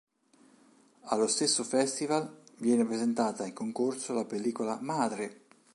Allo stesso festival viene presentata, in concorso, la pellicola "Madre!